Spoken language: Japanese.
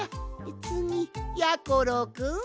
つぎやころくん！